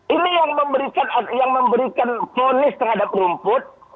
ini yang memberikan ponis terhadap rumput